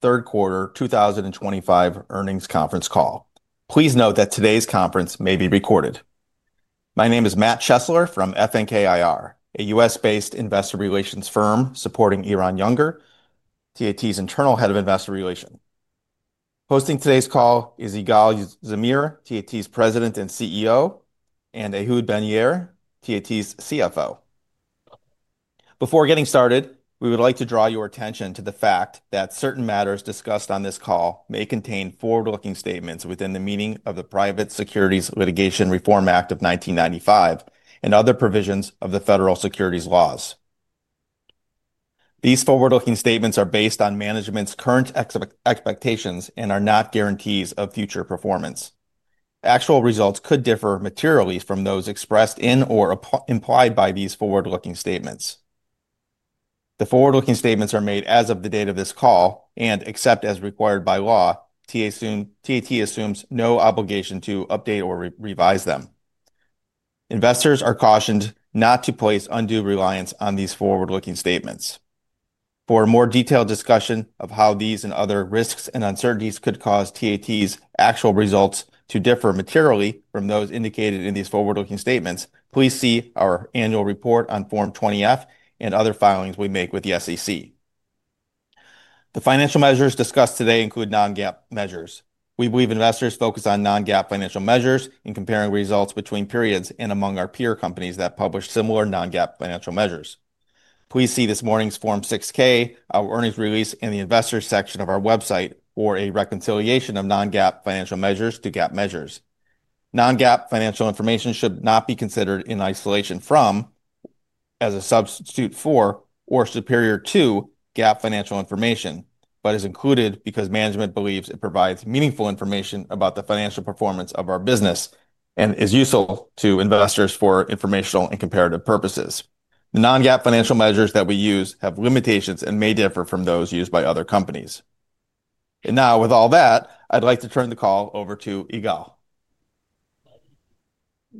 Third quarter 2025 earnings conference call. Please note that today's conference may be recorded. My name is Matt Chesler from FNK IR, a U.S.-based Investor Relations firm supporting Eran Yunger, TAT's internal Head of Investor Relations. Hosting today's call is Igal Zamir, TAT's President and CEO, and Ehud Ben-Yair, TAT's CFO. Before getting started, we would like to draw your attention to the fact that certain matters discussed on this call may contain forward-looking statements within the meaning of the Private Securities Litigation Reform Act of 1995 and other provisions of the federal securities laws. These forward-looking statements are based on management's current expectations and are not guarantees of future performance. Actual results could differ materially from those expressed in or implied by these forward-looking statements. The forward-looking statements are made as of the date of this call and, except as required by law, TAT assumes no obligation to update or revise them. Investors are cautioned not to place undue reliance on these forward-looking statements. For a more detailed discussion of how these and other risks and uncertainties could cause TAT's actual results to differ materially from those indicated in these forward-looking statements, please see our annual report on Form 20F and other filings we make with the SEC. The financial measures discussed today include non-GAAP measures. We believe investors focus on non-GAAP financial measures in comparing results between periods and among our peer companies that publish similar non-GAAP financial measures. Please see this morning's Form 6K, our earnings release, and the investors' section of our website for a reconciliation of non-GAAP financial measures to GAAP measures. Non-GAAP financial information should not be considered in isolation from, as a substitute for, or superior to GAAP financial information, but is included because management believes it provides meaningful information about the financial performance of our business and is useful to investors for informational and comparative purposes. The non-GAAP financial measures that we use have limitations and may differ from those used by other companies. Now, with all that, I'd like to turn the call over to Igal.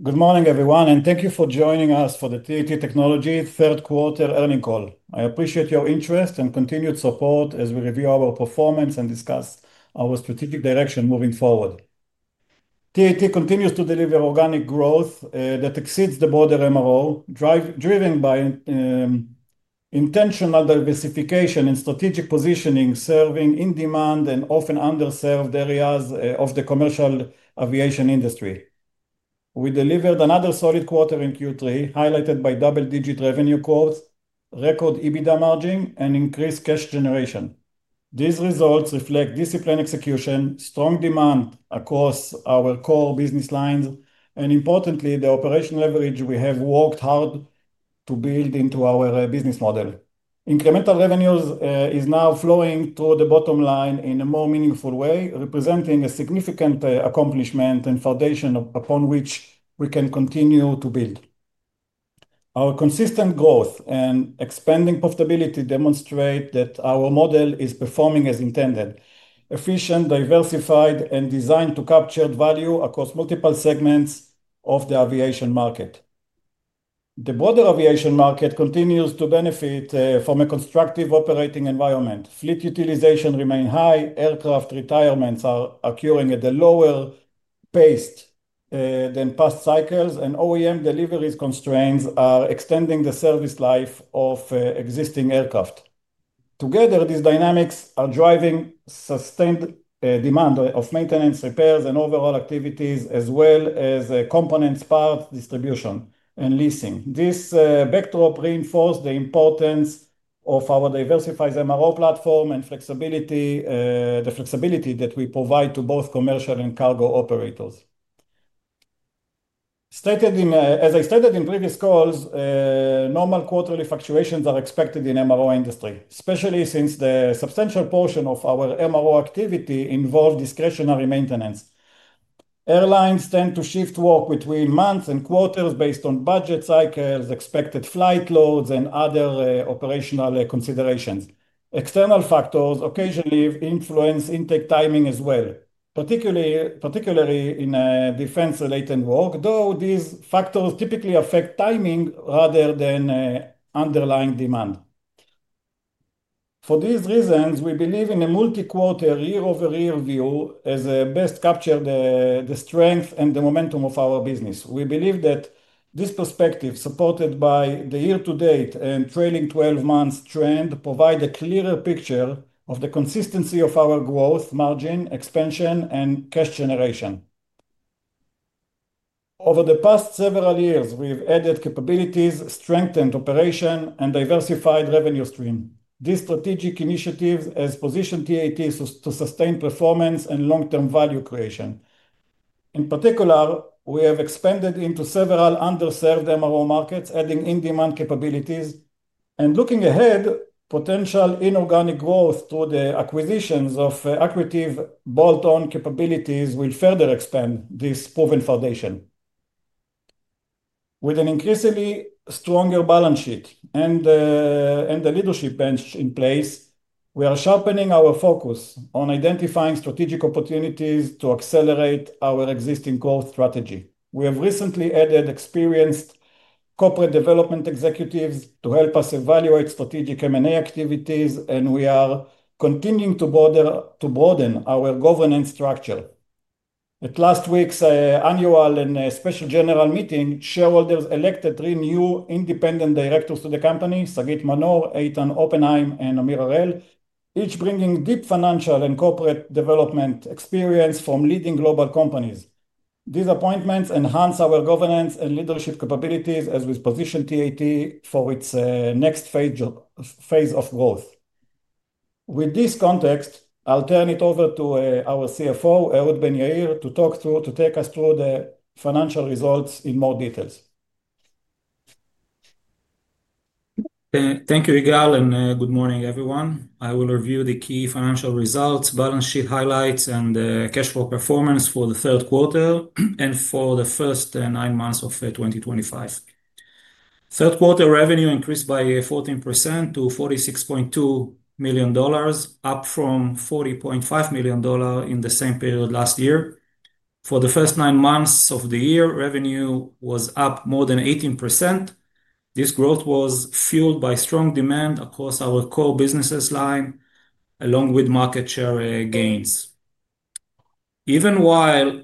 Good morning, everyone, and thank you for joining us for the TAT Technologies third quarter earnings call. I appreciate your interest and continued support as we review our performance and discuss our strategic direction moving forward. TAT continues to deliver organic growth that exceeds the broader MRO, driven by intentional diversification and strategic positioning serving in-demand and often underserved areas of the commercial aviation industry. We delivered another solid quarter in Q3, highlighted by double-digit revenue growth, record EBITDA margin, and increased cash generation. These results reflect disciplined execution, strong demand across our core business lines, and, importantly, the operating leverage we have worked hard to build into our business model. Incremental revenues are now flowing through the bottom line in a more meaningful way, representing a significant accomplishment and foundation upon which we can continue to build. Our consistent growth and expanding profitability demonstrate that our model is performing as intended: efficient, diversified, and designed to capture value across multiple segments of the aviation market. The broader aviation market continues to benefit from a constructive operating environment. Fleet utilization remains high, aircraft retirements are occurring at a lower pace than past cycles, and OEM delivery constraints are extending the service life of existing aircraft. Together, these dynamics are driving sustained demand of maintenance, repairs, and overall activities, as well as components, parts, distribution, and leasing. This backdrop reinforces the importance of our diversified MRO platform and the flexibility that we provide to both commercial and cargo operators. As I stated in previous calls, normal quarterly fluctuations are expected in the MRO industry, especially since the substantial portion of our MRO activity involves discretionary maintenance. Airlines tend to shift work between months and quarters based on budget cycles, expected flight loads, and other operational considerations. External factors occasionally influence intake timing as well, particularly in defense-related work, though these factors typically affect timing rather than underlying demand. For these reasons, we believe in a multi-quarter, year-over-year view as best captures the strength and the momentum of our business. We believe that this perspective, supported by the year-to-date and trailing 12-month trend, provides a clearer picture of the consistency of our growth, margin, expansion, and cash generation. Over the past several years, we've added capabilities, strengthened operations, and diversified revenue streams. These strategic initiatives have positioned TAT to sustain performance and long-term value creation. In particular, we have expanded into several underserved MRO markets, adding in-demand capabilities. Looking ahead, potential inorganic growth through the acquisitions of accretive bolt-on capabilities will further expand this proven foundation. With an increasingly stronger balance sheet and a leadership bench in place, we are sharpening our focus on identifying strategic opportunities to accelerate our existing growth strategy. We have recently added experienced corporate development executives to help us evaluate strategic M&A activities, and we are continuing to broaden our governance structure. At last week's annual and special general meeting, shareholders elected three new independent directors to the company: Sagit Manor, Eytan Oppenheim, and Amir Arel, each bringing deep financial and corporate development experience from leading global companies. These appointments enhance our governance and leadership capabilities as we position TAT for its next phase of growth. With this context, I'll turn it over to our CFO, Ehud Ben-Yair, to talk through, to take us through the financial results in more details. Thank you, Igal, and good morning, everyone. I will review the key financial results, balance sheet highlights, and cash flow performance for the third quarter and for the first nine months of 2025. Third quarter revenue increased by 14% to $46.2 million, up from $40.5 million in the same period last year. For the first nine months of the year, revenue was up more than 18%. This growth was fueled by strong demand across our core business lines, along with market share gains. Even while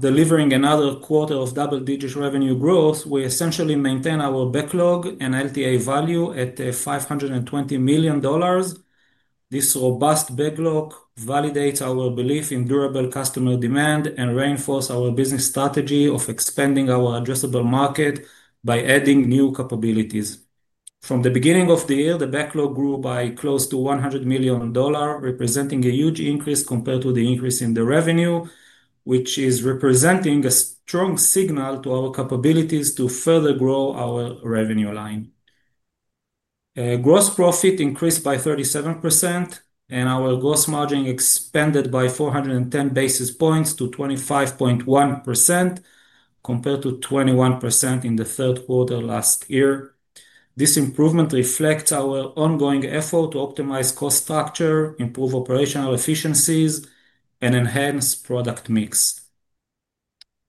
delivering another quarter of double-digit revenue growth, we essentially maintain our backlog and LTA value at $520 million. This robust backlog validates our belief in durable customer demand and reinforces our business strategy of expanding our addressable market by adding new capabilities. From the beginning of the year, the backlog grew by close to $100 million, representing a huge increase compared to the increase in the revenue, which is representing a strong signal to our capabilities to further grow our revenue line. Gross profit increased by 37%, and our gross margin expanded by 410 basis points to 25.1% compared to 21% in the third quarter last year. This improvement reflects our ongoing effort to optimize cost structure, improve operational efficiencies, and enhance product mix.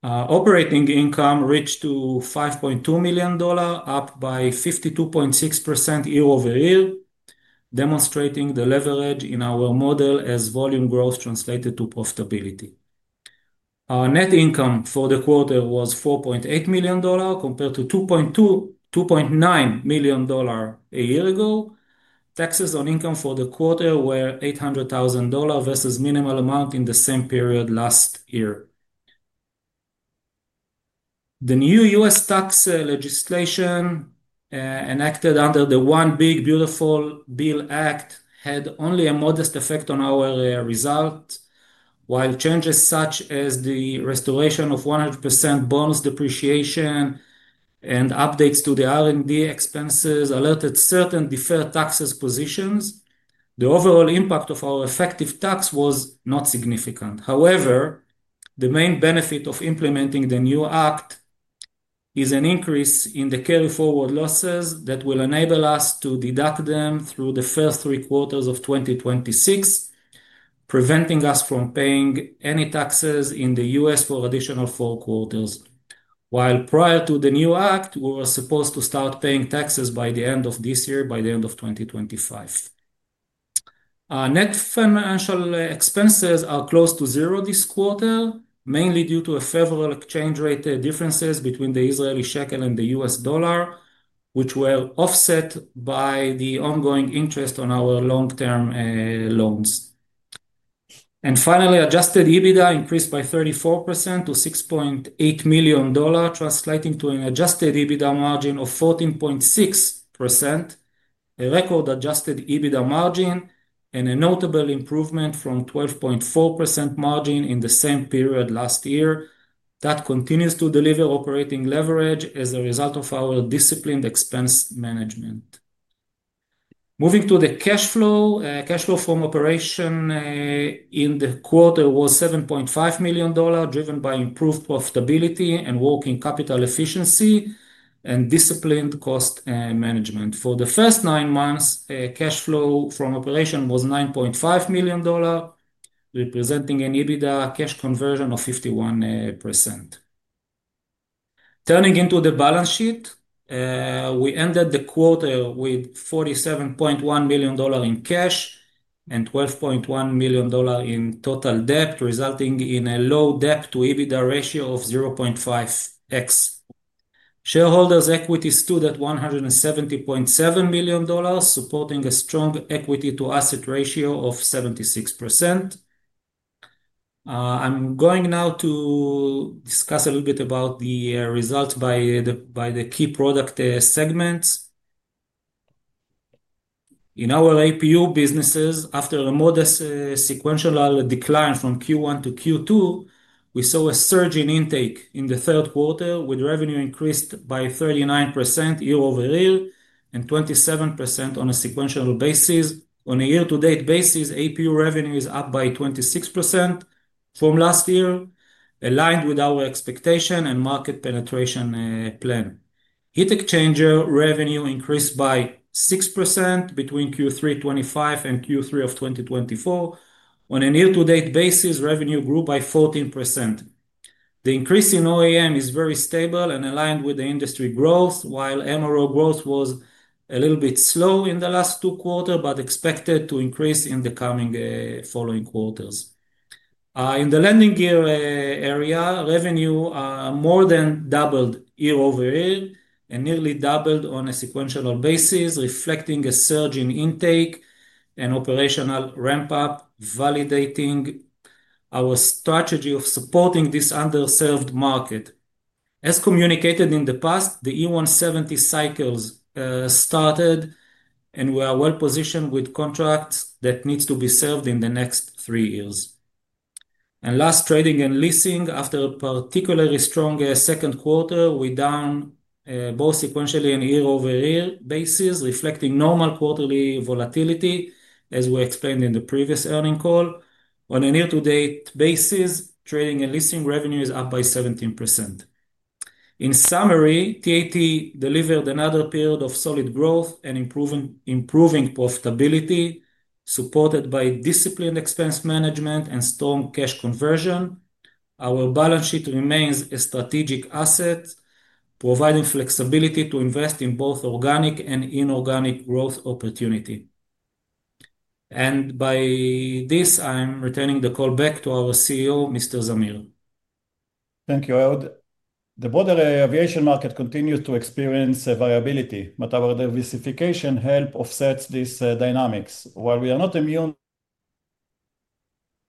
Operating income reached $5.2 million, up by 52.6% year-over-year, demonstrating the leverage in our model as volume growth translated to profitability. Net income for the quarter was $4.8 million compared to $2.9 million a year ago. Taxes on income for the quarter were $800,000 versus a minimal amount in the same period last year. The new U.S. Tax legislation enacted under the One Big Beautiful Bill Act had only a modest effect on our result. While changes such as the restoration of 100% bonus depreciation and updates to the R&D expenses alerted certain deferred taxes positions, the overall impact of our effective tax was not significant. However, the main benefit of implementing the new act is an increase in the carry-forward losses that will enable us to deduct them through the first three quarters of 2026, preventing us from paying any taxes in the U.S. for an additional four quarters, while prior to the new act, we were supposed to start paying taxes by the end of this year, by the end of 2025. Net financial expenses are close to zero this quarter, mainly due to favorable exchange rate differences between the Israeli shekel and the U.S. dollar, which were offset by the ongoing interest on our long-term loans. Finally, adjusted EBITDA increased by 34% to $6.8 million, translating to an adjusted EBITDA margin of 14.6%, a record adjusted EBITDA margin, and a notable improvement from 12.4% margin in the same period last year. That continues to deliver operating leverage as a result of our disciplined expense management. Moving to the cash flow, cash flow from operation in the quarter was $7.5 million, driven by improved profitability and working capital efficiency and disciplined cost management. For the first nine months, cash flow from operation was $9.5 million, representing an EBITDA cash conversion of 51%. Turning into the balance sheet, we ended the quarter with $47.1 million in cash and $12.1 million in total debt, resulting in a low debt-to-EBITDA ratio of 0.5x. Shareholders' equity stood at $170.7 million, supporting a strong equity-to-asset ratio of 76%. I'm going now to discuss a little bit about the results by the key product segments. In our APU businesses, after a modest sequential decline from Q1 to Q2, we saw a surge in intake in the third quarter, with revenue increased by 39% year-over-year and 27% on a sequential basis. On a year-to-date basis, APU revenue is up by 26% from last year, aligned with our expectation and market penetration plan. Heat exchanger revenue increased by 6% between Q3 2025 and Q3 of 2024. On a year-to-date basis, revenue grew by 14%. The increase in OEM is very stable and aligned with the industry growth, while MRO growth was a little bit slow in the last two quarters but expected to increase in the coming following quarters. In the landing gear area, revenue more than doubled year-over-year and nearly doubled on a sequential basis, reflecting a surge in intake and operational ramp-up, validating our strategy of supporting this underserved market. As communicated in the past, the E170 cycles started, and we are well-positioned with contracts that need to be served in the next three years. Last, trading and leasing, after a particularly strong second quarter, were down both sequentially and on a year-over-year basis, reflecting normal quarterly volatility, as we explained in the previous earnings call. On a year-to-date basis, trading and leasing revenue is up by 17%. In summary, TAT delivered another period of solid growth and improving profitability, supported by disciplined expense management and strong cash conversion. Our balance sheet remains a strategic asset, providing flexibility to invest in both organic and inorganic growth opportunity. By this, I'm returning the call back to our CEO, Mr. Zamir. Thank you, Ehud. The broader aviation market continues to experience variability, but our diversification helps offset these dynamics. While we are not immune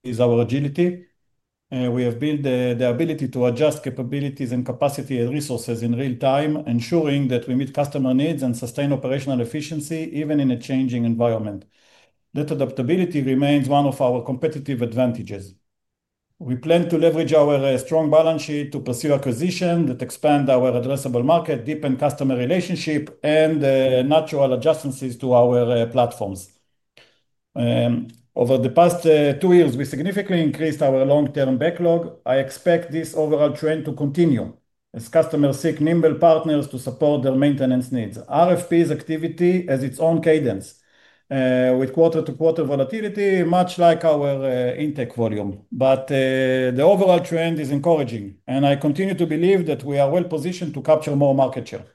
to our agility, we have built the ability to adjust capabilities and capacity and resources in real time, ensuring that we meet customer needs and sustain operational efficiency even in a changing environment. That adaptability remains one of our competitive advantages. We plan to leverage our strong balance sheet to pursue acquisitions that expand our addressable market, deepen customer relationships, and make natural adjustments to our platforms. Over the past two years, we significantly increased our long-term backlog. I expect this overall trend to continue as customers seek nimble partners to support their maintenance needs. RFP activity has its own cadence, with quarter-to-quarter volatility, much like our intake volume. The overall trend is encouraging, and I continue to believe that we are well-positioned to capture more market share.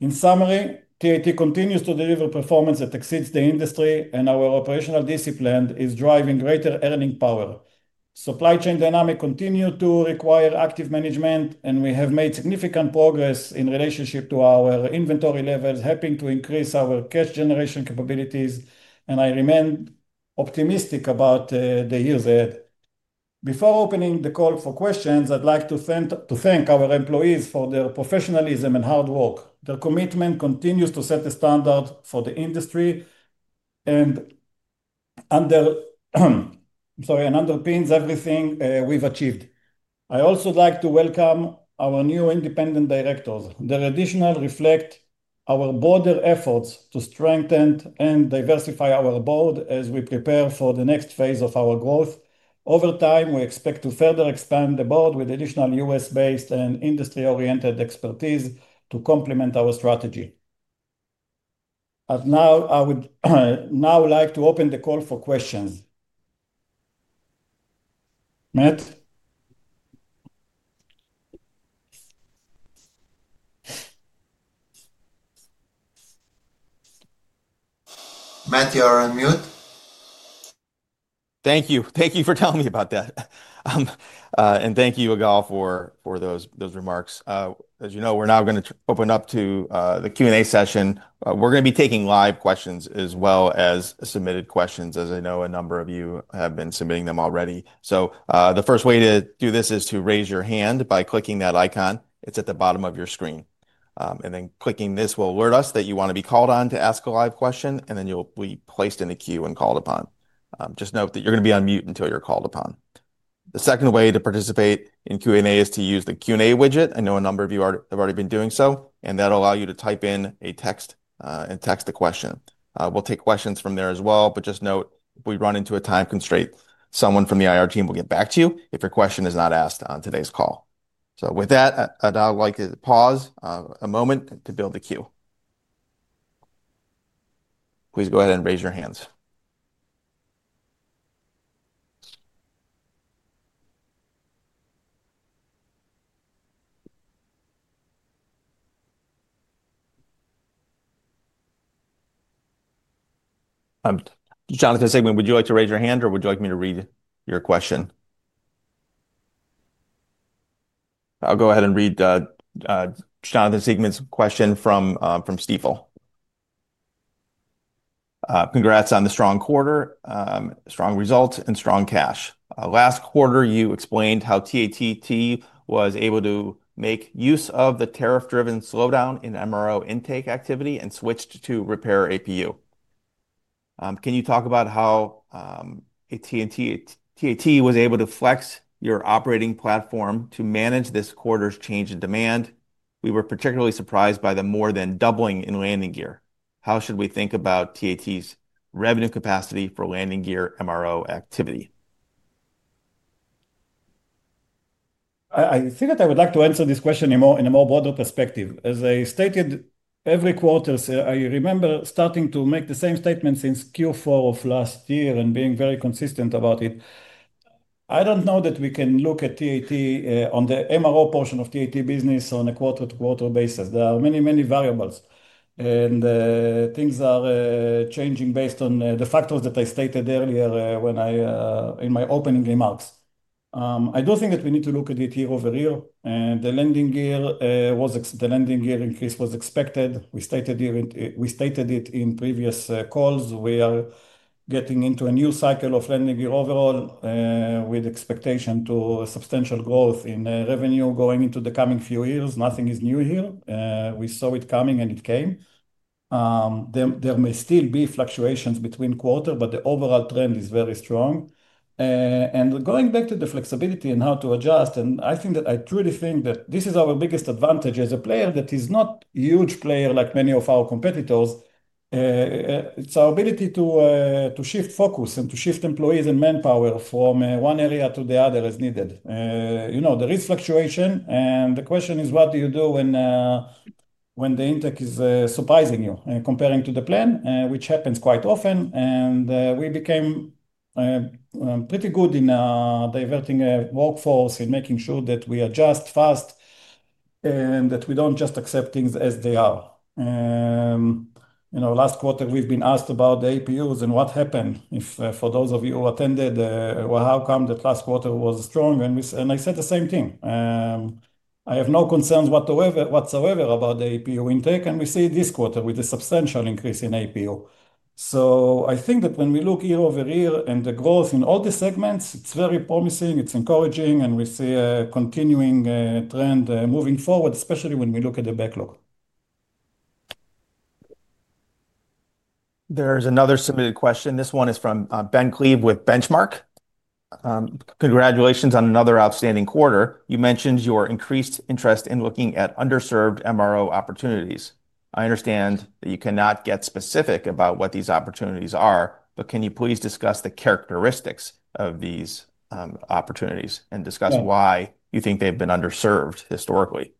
In summary, TAT continues to deliver performance that exceeds the industry, and our operational discipline is driving greater earning power. Supply chain dynamics continue to require active management, and we have made significant progress in relation to our inventory levels, helping to increase our cash generation capabilities. I remain optimistic about the years ahead. Before opening the call for questions, I'd like to thank our employees for their professionalism and hard work. Their commitment continues to set the standard for the industry and underpins everything we've achieved. I also would like to welcome our new independent directors. Their additions reflect our broader efforts to strengthen and diversify our board as we prepare for the next phase of our growth. Over time, we expect to further expand the board with additional U.S.-based and industry-oriented expertise to complement our strategy. I would now like to open the call for questions. Matt? Matt, you're on mute. Thank you. Thank you for telling me about that. And thank you, Igal, for those remarks. As you know, we're now going to open up to the Q&A session. We're going to be taking live questions as well as submitted questions, as I know a number of you have been submitting them already. The first way to do this is to raise your hand by clicking that icon. It's at the bottom of your screen. Clicking this will alert us that you want to be called on to ask a live question, and then you'll be placed in the queue and called upon. Just note that you're going to be on mute until you're called upon. The second way to participate in Q&A is to use the Q&A widget. I know a number of you have already been doing so, and that'll allow you to type in a text and text a question. We'll take questions from there as well, but just note, if we run into a time constraint, someone from the IR team will get back to you if your question is not asked on today's call. With that, I'd now like to pause a moment to build the queue. Please go ahead and raise your hands. Jonathan Sigmund, would you like to raise your hand, or would you like me to read your question? I'll go ahead and read Jonathan Sigmund's question from Stifel. Congrats on the strong quarter, strong results, and strong cash. Last quarter, you explained how TAT T was able to make use of the tariff-driven slowdown in MRO intake activity and switched to repair APU. Can you talk about how TAT was able to flex your operating platform to manage this quarter's change in demand? We were particularly surprised by the more than doubling in landing gear. How should we think about TAT's revenue capacity for landing gear MRO activity? I think that I would like to answer this question in a more broader perspective. As I stated every quarter, I remember starting to make the same statements since Q4 of last year and being very consistent about it. I do not know that we can look at TAT on the MRO portion of TAT business on a quarter-to-quarter basis. There are many, many variables, and things are changing based on the factors that I stated earlier in my opening remarks. I do think that we need to look at it year-over-year. The landing gear increase was expected. We stated it in previous calls. We are getting into a new cycle of landing gear overall, with expectation to substantial growth in revenue going into the coming few years. Nothing is new here. We saw it coming, and it came. There may still be fluctuations between quarters, but the overall trend is very strong. Going back to the flexibility and how to adjust, I think that I truly think that this is our biggest advantage as a player that is not a huge player like many of our competitors. It is our ability to shift focus and to shift employees and manpower from one area to the other as needed. There is fluctuation, and the question is, what do you do when the intake is surprising you and comparing to the plan, which happens quite often? We became pretty good in diverting workforce and making sure that we adjust fast and that we do not just accept things as they are. Last quarter, we have been asked about the APUs and what happened. For those of you who attended, how come that last quarter was strong? I said the same thing. I have no concerns whatsoever about the APU intake, and we see it this quarter with a substantial increase in APU. I think that when we look year-over-year and the growth in all the segments, it's very promising, it's encouraging, and we see a continuing trend moving forward, especially when we look at the backlog. There's another submitted question. This one is from Ben Cleve with Benchmark. Congratulations on another outstanding quarter. You mentioned your increased interest in looking at underserved MRO opportunities. I understand that you cannot get specific about what these opportunities are, but can you please discuss the characteristics of these opportunities and discuss why you think they've been underserved historically?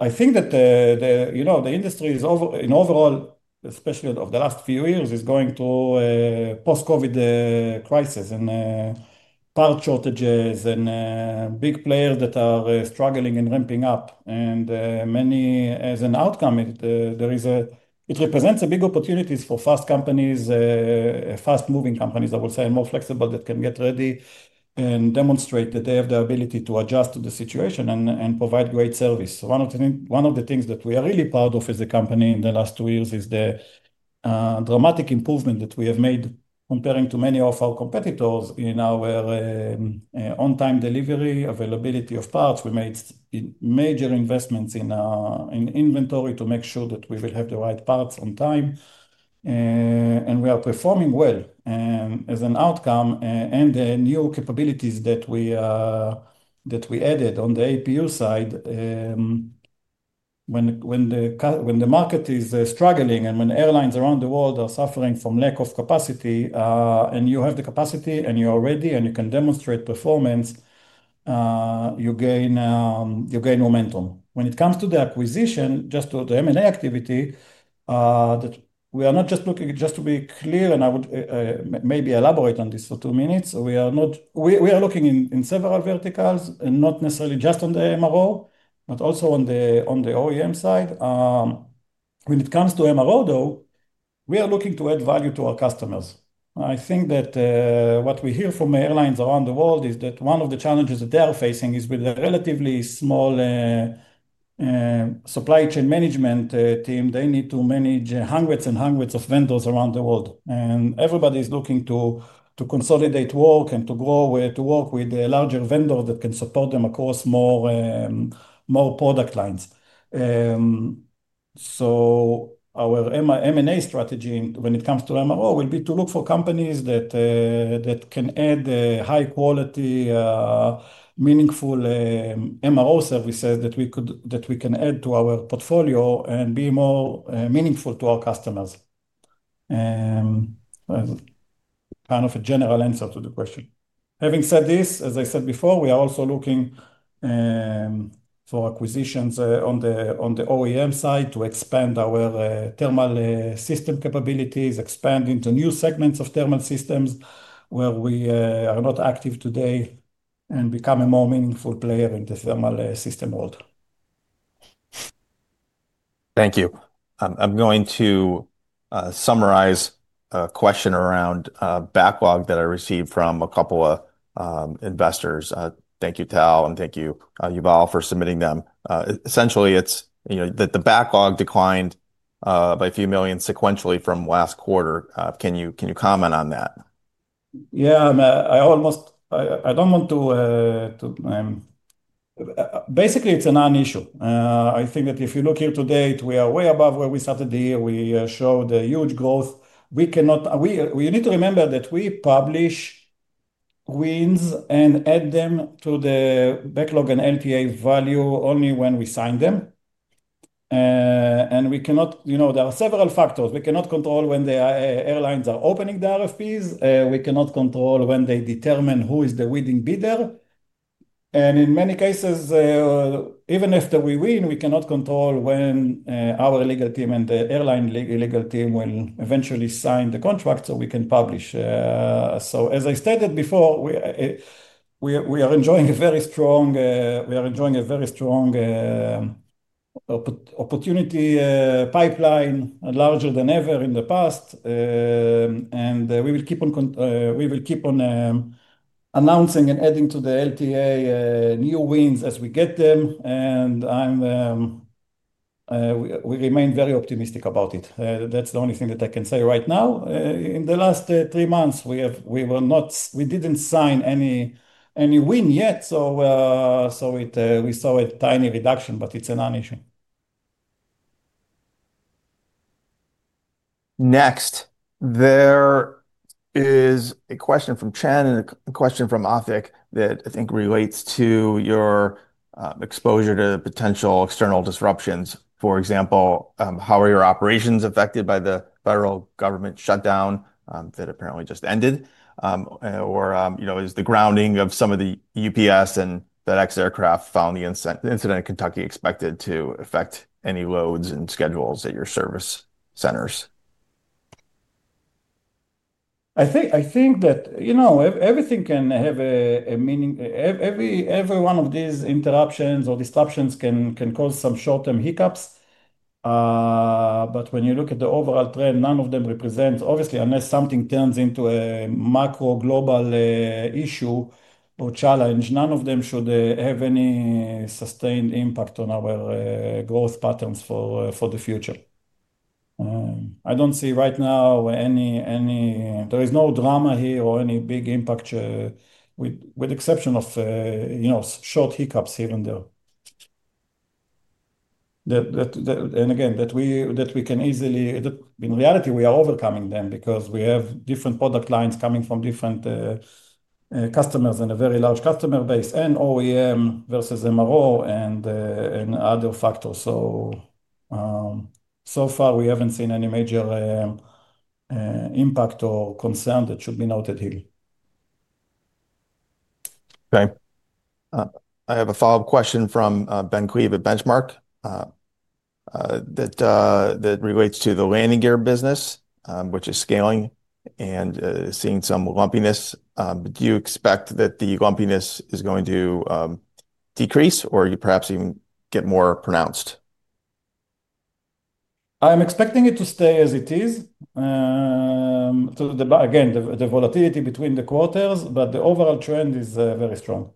I think that the industry in overall, especially of the last few years, is going through a post-COVID crisis and part shortages and big players that are struggling and ramping up. As an outcome, it represents big opportunities for fast companies, fast-moving companies, I would say, and more flexible that can get ready and demonstrate that they have the ability to adjust to the situation and provide great service. One of the things that we are really proud of as a company in the last two years is the dramatic improvement that we have made comparing to many of our competitors in our on-time delivery, availability of parts. We made major investments in inventory to make sure that we will have the right parts on time. We are performing well as an outcome and the new capabilities that we added on the APU side. When the market is struggling and when airlines around the world are suffering from lack of capacity and you have the capacity and you're ready and you can demonstrate performance, you gain momentum. When it comes to the acquisition, just to the M&A activity, we are not just looking, just to be clear, and I would maybe elaborate on this for two minutes. We are looking in several verticals and not necessarily just on the MRO, but also on the OEM side. When it comes to MRO, though, we are looking to add value to our customers. I think that what we hear from airlines around the world is that one of the challenges that they are facing is with the relatively small supply chain management team. They need to manage hundreds and hundreds of vendors around the world. Everybody is looking to consolidate work and to work with a larger vendor that can support them across more product lines. Our M&A strategy, when it comes to MRO, will be to look for companies that can add high-quality, meaningful MRO services that we can add to our portfolio and be more meaningful to our customers. Kind of a general answer to the question. Having said this, as I said before, we are also looking for acquisitions on the OEM side to expand our thermal system capabilities, expand into new segments of thermal systems where we are not active today and become a more meaningful player in the thermal system world. Thank you. I'm going to summarize a question around backlog that I received from a couple of investors. Thank you, Tal, and thank you, Yuval, for submitting them. Essentially, it's that the backlog declined by a few million sequentially from last quarter. Can you comment on that? Yeah, I don't want to—basically, it's a non-issue. I think that if you look here today, we are way above where we started the year. We showed a huge growth. We need to remember that we publish wins and add them to the backlog and LTA value only when we sign them. There are several factors. We cannot control when the airlines are opening the RFPs. We cannot control when they determine who is the winning bidder. In many cases, even after we win, we cannot control when our legal team and the airline legal team will eventually sign the contract so we can publish. As I stated before, we are enjoying a very strong—we are enjoying a very strong opportunity pipeline, larger than ever in the past. We will keep on announcing and adding to the LTA new wins as we get them. We remain very optimistic about it. That is the only thing that I can say right now. In the last three months, we did not sign any win yet. We saw a tiny reduction, but it is a non-issue. Next, there is a question from Chen and a question from Authic that I think relates to your exposure to potential external disruptions. For example, how are your operations affected by the federal government shutdown that apparently just ended? Is the grounding of some of the UPS and FedEx aircraft following the incident in Kentucky expected to affect any loads and schedules at your service centers? I think that everything can have a meaning. Every one of these interruptions or disruptions can cause some short-term hiccups. When you look at the overall trend, none of them represents, obviously, unless something turns into a macro global issue or challenge, none of them should have any sustained impact on our growth patterns for the future. I do not see right now any--there is no drama here or any big impact with the exception of short hiccups here and there. Again, that we can easily--in reality, we are overcoming them because we have different product lines coming from different customers and a very large customer base and OEM versus MRO and other factors. So far, we have not seen any major impact or concern that should be noted here. Okay. I have a follow-up question from Ben Cleve at Benchmark that relates to the landing gear business, which is scaling and seeing some lumpiness. Do you expect that the lumpiness is going to decrease, or perhaps even get more pronounced? I'm expecting it to stay as it is. Again, the volatility between the quarters, but the overall trend is very strong.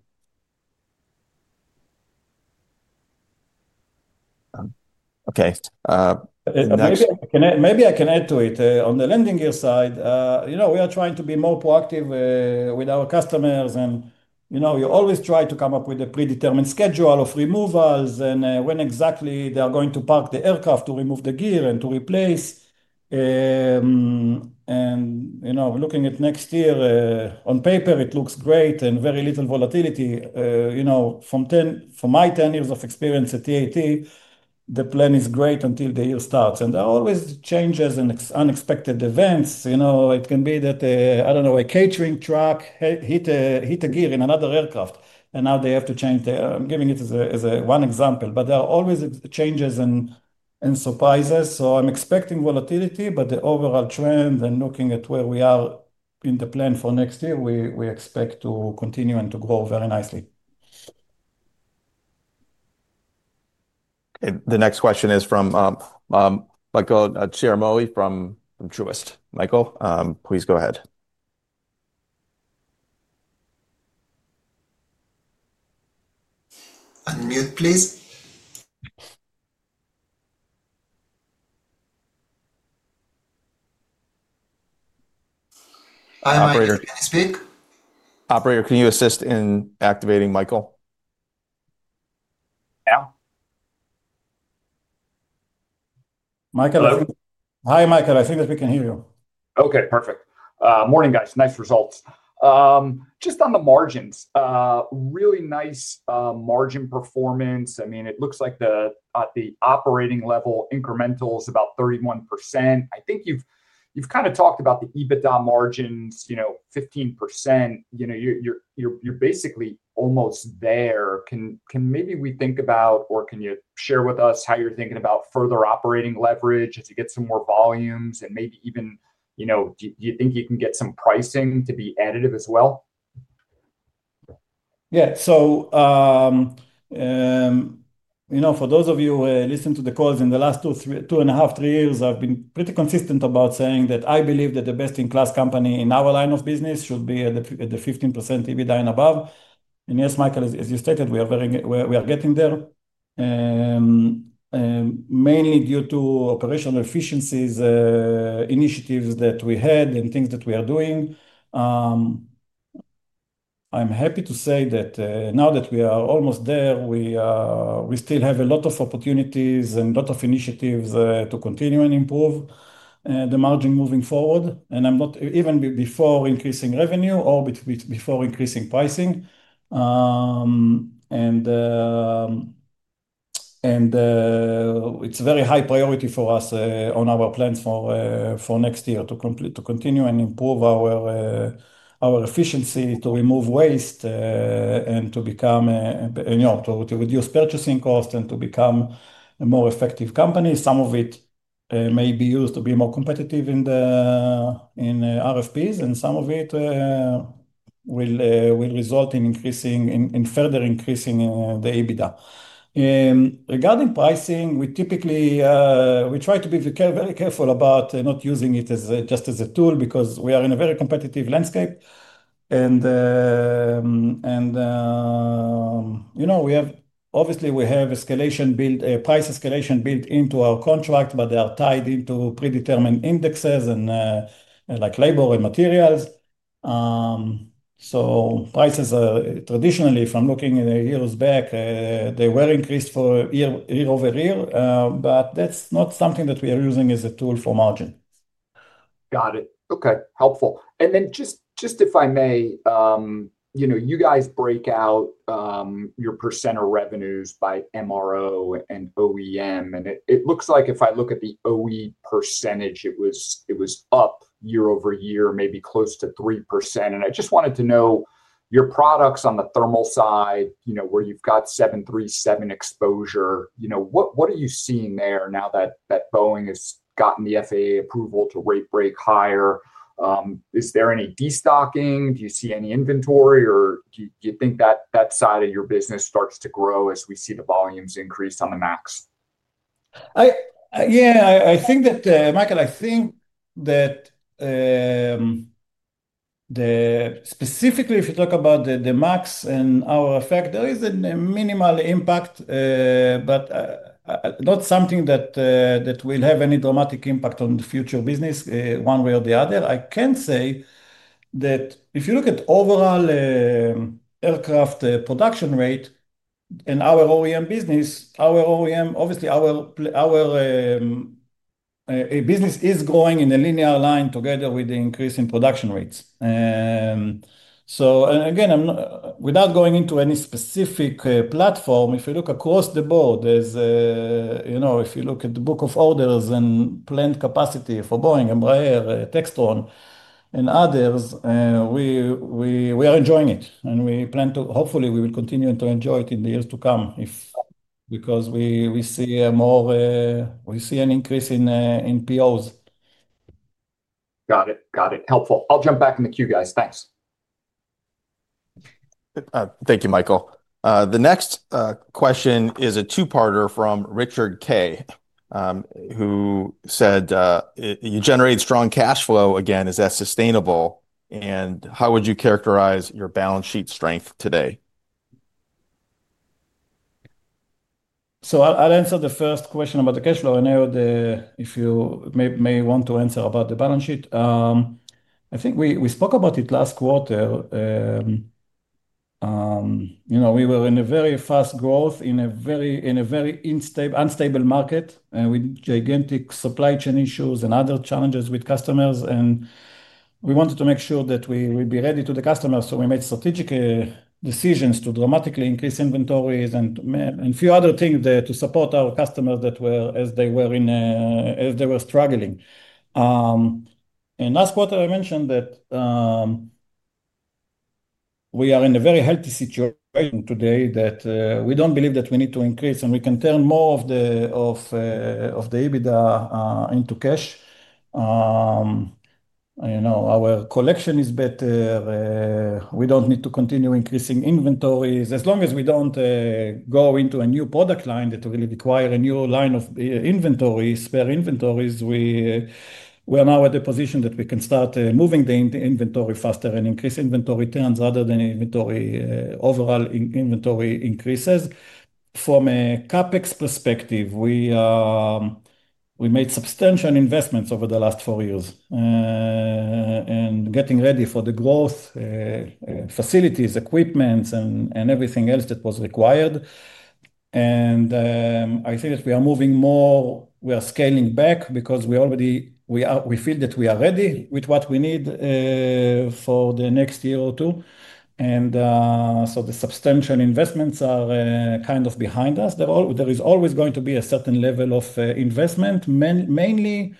Okay. Maybe I can add to it. On the landing gear side, we are trying to be more proactive with our customers. You always try to come up with a predetermined schedule of removals and when exactly they are going to park the aircraft to remove the gear and to replace. Looking at next year, on paper, it looks great and very little volatility. From my 10 years of experience at TAT, the plan is great until the year starts. There are always changes and unexpected events. It can be that, I do not know, a catering truck hit a gear in another aircraft, and now they have to change the—I am giving it as one example. There are always changes and surprises. I'm expecting volatility, but the overall trend and looking at where we are in the plan for next year, we expect to continue and to grow very nicely. The next question is from Michael Ciarmoli from Truist. Michael, please go ahead. Unmute, please. Hi, Michael. Can you speak? Operator, can you assist in activating Michael? Hi, Michael. I think that we can hear you. Okay, perfect. Morning, guys. Nice results. Just on the margins, really nice margin performance. I mean, it looks like at the operating level, incremental is about 31%. I think you've kind of talked about the EBITDA margins, 15%. You're basically almost there. Can maybe we think about, or can you share with us how you're thinking about further operating leverage as you get some more volumes and maybe even do you think you can get some pricing to be additive as well? Yeah. For those of you listening to the calls in the last two, two and a half, three years, I've been pretty consistent about saying that I believe that the best-in-class company in our line of business should be at the 15% EBITDA and above. Yes, Michael, as you stated, we are getting there mainly due to operational efficiencies, initiatives that we had, and things that we are doing. I'm happy to say that now that we are almost there, we still have a lot of opportunities and a lot of initiatives to continue and improve the margin moving forward, even before increasing revenue or before increasing pricing. It is a very high priority for us on our plans for next year to continue and improve our efficiency, to remove waste, and to reduce purchasing costs and to become a more effective company. Some of it may be used to be more competitive in RFPs, and some of it will result in further increasing the EBITDA. Regarding pricing, we try to be very careful about not using it just as a tool because we are in a very competitive landscape. Obviously, we have price escalation built into our contract, but they are tied into predetermined indexes like labor and materials. Prices traditionally, if I'm looking years back, they were increased year-over-year, but that's not something that we are using as a tool for margin. Got it. Okay, helpful. If I may, you guys break out your percent of revenues by MRO and OEM. It looks like if I look at the OE percentage, it was up year-over-year, maybe close to 3%. I just wanted to know your products on the thermal side where you've got 737 exposure. What are you seeing there now that Boeing has gotten the FAA approval to rate break higher? Is there any destocking? Do you see any inventory, or do you think that side of your business starts to grow as we see the volumes increase on the MAX? Yeah, Michael, I think that specifically if you talk about the MAX and our effect, there is a minimal impact, but not something that will have any dramatic impact on the future business one way or the other. I can say that if you look at overall aircraft production rate in our OEM business, obviously, our business is growing in a linear line together with the increase in production rates. Again, without going into any specific platform, if you look across the board, if you look at the book of orders and planned capacity for Boeing and Embraer, Textron, and others, we are enjoying it. Hopefully, we will continue to enjoy it in the years to come because we see an increase in POs. Got it. Got it. Helpful. I'll jump back in the queue, guys. Thanks. Thank you, Michael. The next question is a two-parter from Richard Kay, who said, "You generate strong cash flow. Again, is that sustainable? And how would you characterize your balance sheet strength today? I'll answer the first question about the cash flow. If you may want to answer about the balance sheet, I think we spoke about it last quarter. We were in a very fast growth in a very unstable market with gigantic supply chain issues and other challenges with customers. We wanted to make sure that we would be ready to the customers. We made strategic decisions to dramatically increase inventories and a few other things to support our customers as they were struggling. Last quarter, I mentioned that we are in a very healthy situation today that we do not believe that we need to increase, and we can turn more of the EBITDA into cash. Our collection is better. We do not need to continue increasing inventories. As long as we do not go into a new product line that really requires a new line of spare inventories, we are now at a position that we can start moving the inventory faster and increase inventory turns rather than overall inventory increases. From a CapEx perspective, we made substantial investments over the last four years in getting ready for the growth facilities, equipment, and everything else that was required. I think that we are moving more, we are scaling back because we feel that we are ready with what we need for the next year or two. The substantial investments are kind of behind us. There is always going to be a certain level of investment, mainly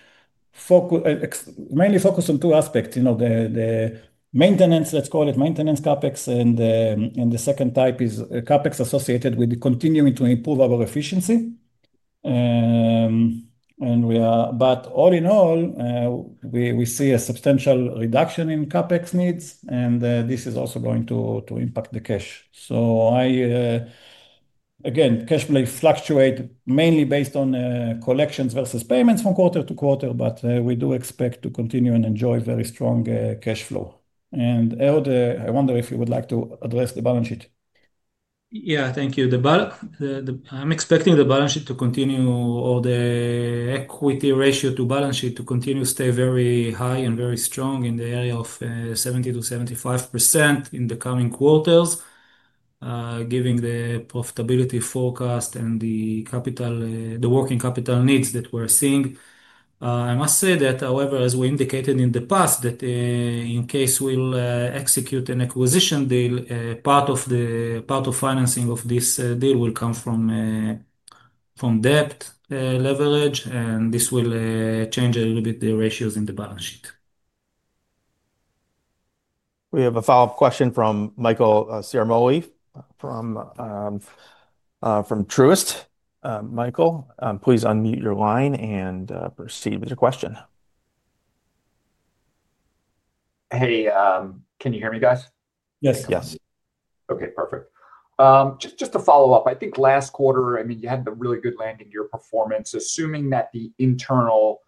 focused on two aspects: the maintenance, let us call it maintenance CapEx, and the second type is CapEx associated with continuing to improve our efficiency. All in all, we see a substantial reduction in CapEx needs, and this is also going to impact the cash. Again, cash fluctuates mainly based on collections versus payments from quarter to quarter, but we do expect to continue and enjoy very strong cash flow. I wonder if you would like to address the balance sheet. Yeah, thank you. I'm expecting the balance sheet to continue or the equity ratio to balance sheet to continue to stay very high and very strong in the area of 70%-75% in the coming quarters, giving the profitability forecast and the working capital needs that we're seeing. I must say that, however, as we indicated in the past, that in case we execute an acquisition deal, part of financing of this deal will come from debt leverage, and this will change a little bit the ratios in the balance sheet. We have a follow-up question from Michael Ciarmoli from Truist. Michael, please unmute your line and proceed with your question. Hey, can you hear me, guys? Yes. Yes. Okay, perfect. Just to follow up, I think last quarter, I mean, you had a really good landing gear performance, assuming that the internal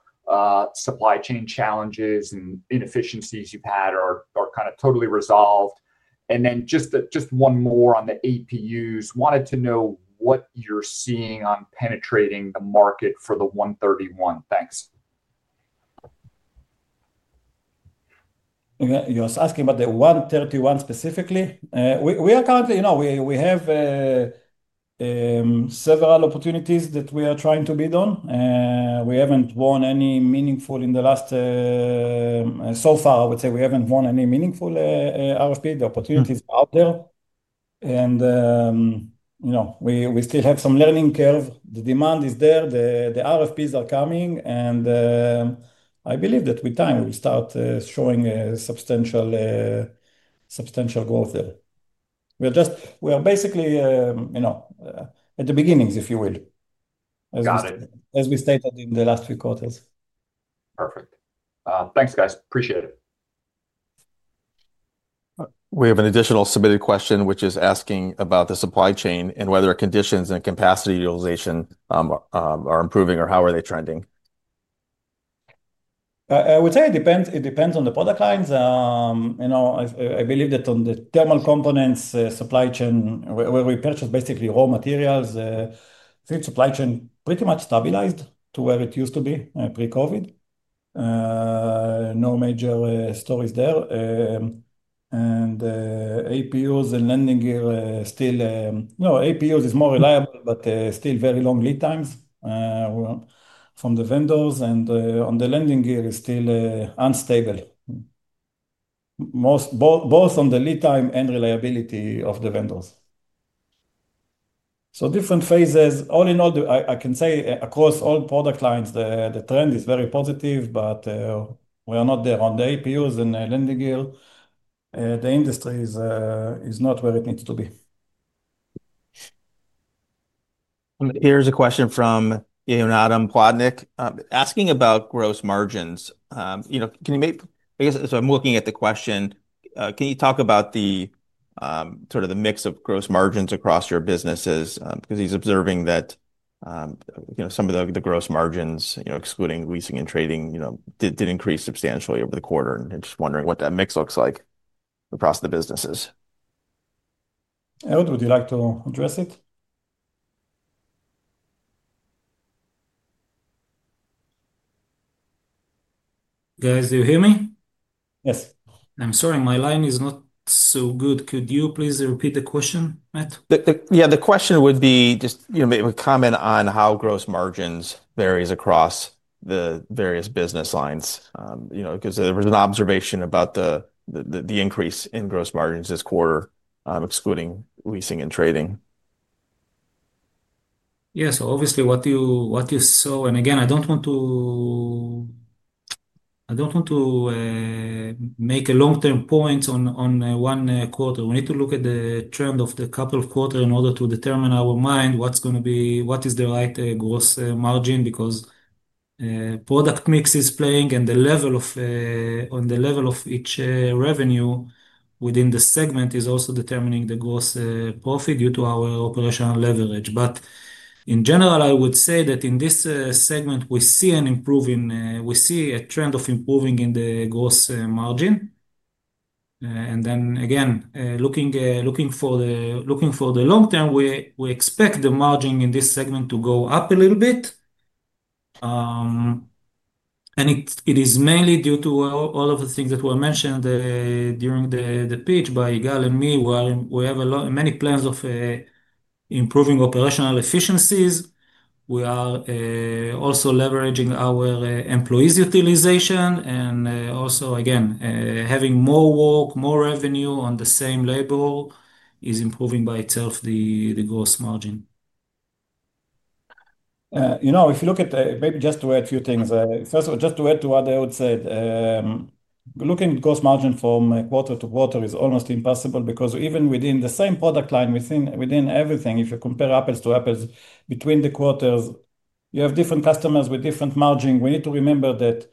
supply chain challenges and inefficiencies you've had are kind of totally resolved. And then just one more on the APUs. Wanted to know what you're seeing on penetrating the market for the 131. Thanks. You're asking about the 131 specifically? We have several opportunities that we are trying to bid on. We haven't won any meaningful in the last so far, I would say we haven't won any meaningful RFP. The opportunities are out there. We still have some learning curve. The demand is there. The RFPs are coming. I believe that with time, we will start showing substantial growth there. We are basically at the beginnings, if you will, as we stated in the last few quarters. Perfect. Thanks, guys. Appreciate it. We have an additional submitted question, which is asking about the supply chain and whether conditions and capacity utilization are improving or how are they trending. I would say it depends on the product lines. I believe that on the thermal components supply chain, where we purchase basically raw materials, I think supply chain pretty much stabilized to where it used to be pre-COVID. No major stories there. APUs and landing gear still, APUs is more reliable, but still very long lead times from the vendors. On the landing gear, it is still unstable, both on the lead time and reliability of the vendors. Different phases. All in all, I can say across all product lines, the trend is very positive, but we are not there on the APUs and landing gear. The industry is not where it needs to be. Here's a question from Ian Adam Plotnik asking about gross margins. I'm looking at the question. Can you talk about sort of the mix of gross margins across your businesses? He's observing that some of the gross margins, excluding leasing and trading, did increase substantially over the quarter. Just wondering what that mix looks like across the businesses. Ehud you would like to address it? Guys, do you hear me? Yes. I'm sorry, my line is not so good. Could you please repeat the question, Matt? Yeah, the question would be just maybe a comment on how gross margins vary across the various business lines. Because there was an observation about the increase in gross margins this quarter, excluding leasing and trading. Yes, obviously what you saw, and again, I do not want to make long-term points on one quarter. We need to look at the trend of the couple of quarters in order to determine our mind what is the right gross margin because product mix is playing and the level of each revenue within the segment is also determining the gross profit due to our operational leverage. In general, I would say that in this segment, we see a trend of improving in the gross margin. Again, looking for the long term, we expect the margin in this segment to go up a little bit. It is mainly due to all of the things that were mentioned during the pitch by Igal and me. We have many plans of improving operational efficiencies. We are also leveraging our employees' utilization. Also, again, having more work, more revenue on the same labor is improving by itself the gross margin. You know, if you look at, maybe just to add a few things, first of all, just to add to what I would say, looking at gross margin from quarter to quarter is almost impossible because even within the same product line, within everything, if you compare apples to apples between the quarters, you have different customers with different margins. We need to remember that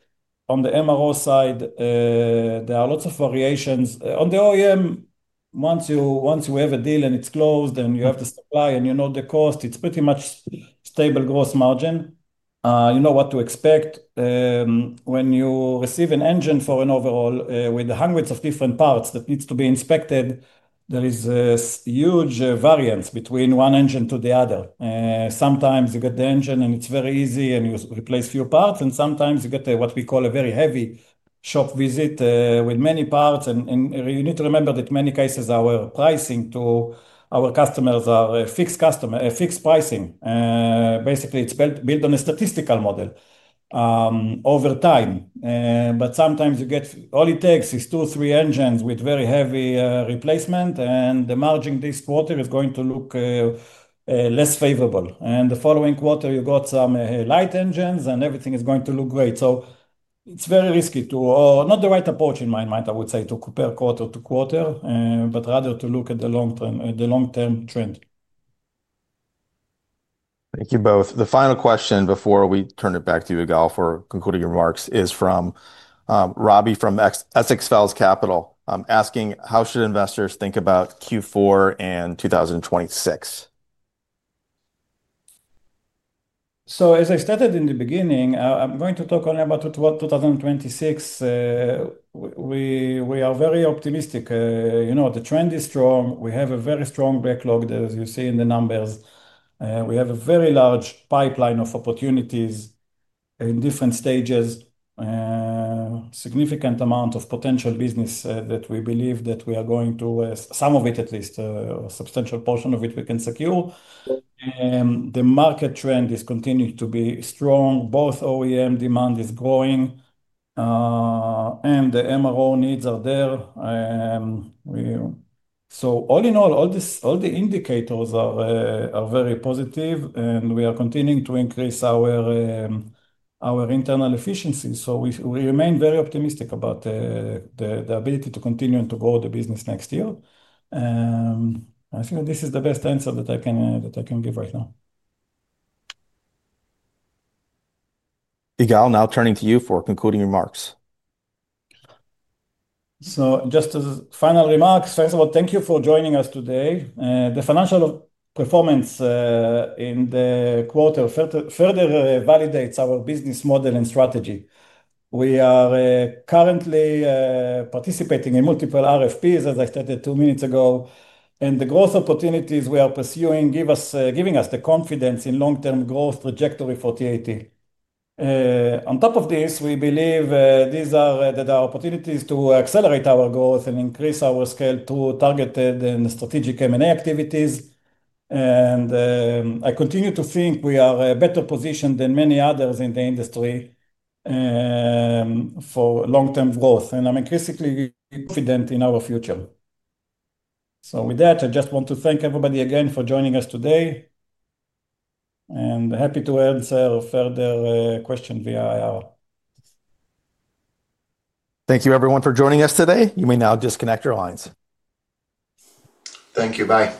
on the MRO side, there are lots of variations. On the OEM, once you have a deal and it is closed and you have the supply and you know the cost, it is pretty much stable gross margin. You know what to expect. When you receive an engine for an overhaul with hundreds of different parts that need to be inspected, there is a huge variance between one engine to the other. Sometimes you get the engine and it's very easy and you replace a few parts. Sometimes you get what we call a very heavy shop visit with many parts. You need to remember that in many cases our pricing to our customers is fixed pricing. Basically, it's built on a statistical model over time. Sometimes you get all it takes is two or three engines with very heavy replacement, and the margin this quarter is going to look less favorable. The following quarter, you get some light engines and everything is going to look great. It's very risky to, or not the right approach in my mind, I would say, to compare quarter to quarter, but rather to look at the long-term trend. Thank you both. The final question before we turn it back to you, Igal, for concluding your remarks is from Robbie from Essex Fells Capital asking, how should investors think about Q4 and 2026? As I stated in the beginning, I'm going to talk only about 2026. We are very optimistic. The trend is strong. We have a very strong backlog, as you see in the numbers. We have a very large pipeline of opportunities in different stages, a significant amount of potential business that we believe that we are going to, some of it at least, a substantial portion of it we can secure. The market trend is continuing to be strong. Both OEM demand is growing and the MRO needs are there. All in all, all the indicators are very positive, and we are continuing to increase our internal efficiency. We remain very optimistic about the ability to continue and to grow the business next year. I think this is the best answer that I can give right now. Igal, now turning to you for concluding remarks. Just as final remarks, first of all, thank you for joining us today. The financial performance in the quarter further validates our business model and strategy. We are currently participating in multiple RFPs, as I stated two minutes ago. The growth opportunities we are pursuing give us the confidence in long-term growth trajectory for TAT. On top of this, we believe that there are opportunities to accelerate our growth and increase our scale through targeted and strategic M&A activities. I continue to think we are better positioned than many others in the industry for long-term growth. I'm increasingly confident in our future. With that, I just want to thank everybody again for joining us today. Happy to answer further questions via IR. Thank you, everyone, for joining us today. You may now disconnect your lines. Thank you, Bye.